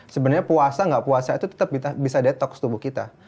sebenarnya puasa gak puasa itu tetap bisa detox tubuh kita